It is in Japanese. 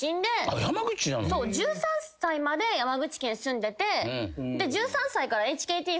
１３歳まで山口県住んでて。